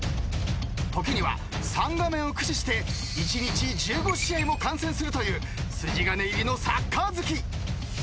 ［時には３画面を駆使して１日１５試合も観戦するという筋金入りのサッカー好き］